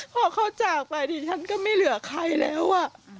พอเขาจากไปดิฉันก็ไม่เหลือใครแล้ว